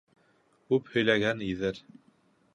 Күп һөйләгән иҙер